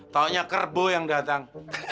taunya kerbo yang datang